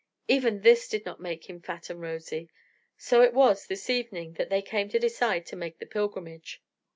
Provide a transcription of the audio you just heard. Even this did not make him fat and rosy. So it was this evening that they came to decide to make the pilgrimage.